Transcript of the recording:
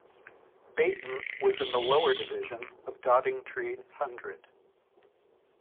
Bayton was in the lower division of Doddingtree Hundred.